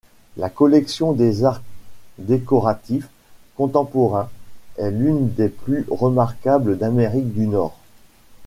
La collection des arts décoratifs contemporains est l'une des plus remarquables d'Amérique du Nord.